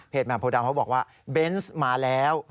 เพจแมนโพดัวเขาบอกว่าเบนส์มาแล้ว